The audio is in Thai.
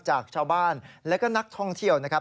จากชาวบ้านและก็นักท่องเที่ยวนะครับ